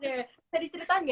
bisa diceritakan nggak